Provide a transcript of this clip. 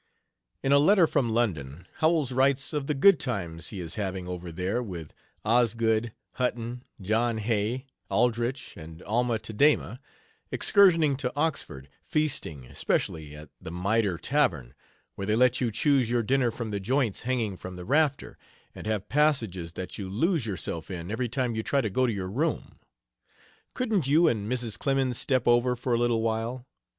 In a letter from London, Howells writes of the good times he is having over there with Osgood, Hutton, John Hay, Aldrich, and Alma Tadema, excursioning to Oxford, feasting, especially "at the Mitre Tavern, where they let you choose your dinner from the joints hanging from the rafter, and have passages that you lose yourself in every time you try to go to your room.... Couldn't you and Mrs. Clemens step over for a little while?...